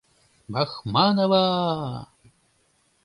Бахмановаа-а!!